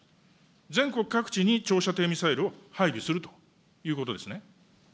全国各地に長射程ミサイルを配備するということですね。